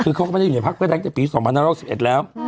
คือเขาก็ไม่ได้อยู่ในพักเพื่อไทยตั้งแต่ปี๒๕๖๑แล้ว